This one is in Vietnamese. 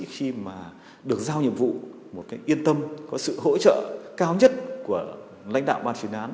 khi mà được giao nhiệm vụ một cách yên tâm có sự hỗ trợ cao nhất của lãnh đạo ban chuyên án